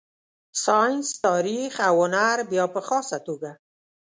ساینس، تاریخ او هنر بیا په خاصه توګه.